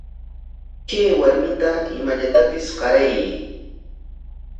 Kay warmita imallatapis qarayuy.